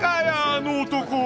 あの男。